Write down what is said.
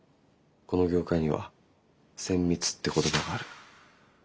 この業界には「千三つ」って言葉がある。